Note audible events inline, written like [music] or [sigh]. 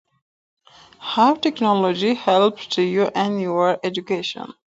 How technology help to you [unintelligible] education?